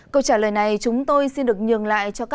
câu trả lời này chúng tôi xin được nhường lại cho các bạn